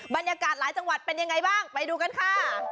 บรรยากาศหลายจังหวัดเป็นยังไงบ้างไปดูกันค่ะ